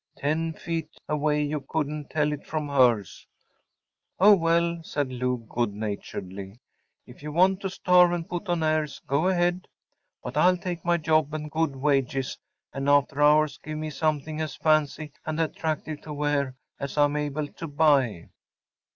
Ten feet away you couldn’t tell it from hers.‚ÄĚ “Oh, well,‚ÄĚ said Lou, good naturedly, “if you want to starve and put on airs, go ahead. But I’ll take my job and good wages; and after hours give me something as fancy and attractive to wear as I am able to buy.